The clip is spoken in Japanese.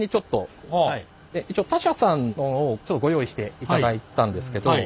一応他社さんのをちょっとご用意していただいたんですけど。